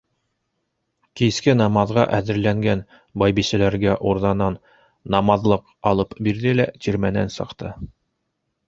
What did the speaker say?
Киске намаҙға әҙерләнгән байбисәләргә урҙанан намаҙлыҡ алып бирҙе лә тирмәнән сыҡты.